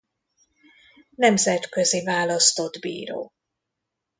Nemzetközi választott bíró.